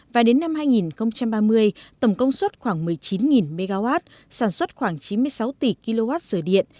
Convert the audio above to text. và đến năm hai nghìn ba mươi tổng công suất khoảng một mươi chín mw sản xuất khoảng chín mươi sáu tỷ kwh dừa điện